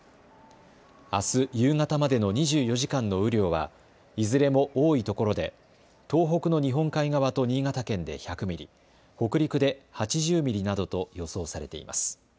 あす夕方までの２４時間の雨量はいずれも多いところで東北の日本海側と新潟県で１００ミリ、北陸で８０ミリなどと予想されています。